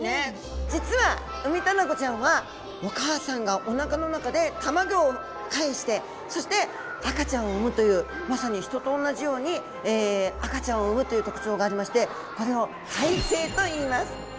実はウミタナゴちゃんはお母さんがお腹の中で卵をかえしてそして赤ちゃんを産むというまさに人とおんなじように赤ちゃんを産むという特徴がありましてこれを胎生といいます。